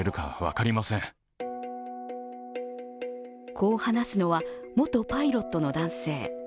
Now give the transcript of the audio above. こう話すのは、元パイロットの男性。